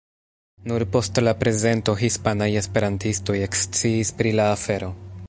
Nur post la prezento hispanaj esperantistoj eksciis pri la afero.